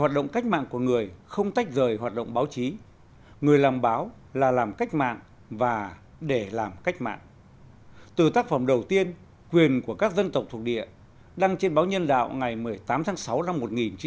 từ tác phẩm đầu tiên quyền của các dân tộc thuộc địa đăng trên báo nhân đạo ngày một mươi tám tháng sáu năm một nghìn chín trăm bảy mươi